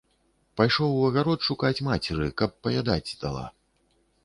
Пайшоў у агарод шукаць мацеры, каб паядаць дала.